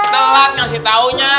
telat ngasih taunya